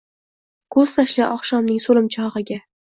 Ko’z tashla oqshomning so’lim chog’iga